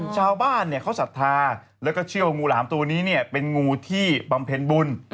ชาวบ้านเขาศรัทธาแล้วก็เชื่อว่างูหลามตัวนี้เป็นงูที่บำเพ็ญบุญ